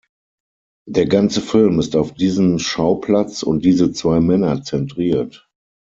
Der ganze Film ist auf diesen Schauplatz und diese zwei Männer zentriert.